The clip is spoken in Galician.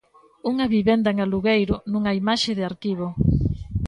Unha vivenda en alugueiro, nunha imaxe de arquivo.